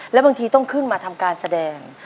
แล้วบางทีต้องขึ้นมาทำการแสดง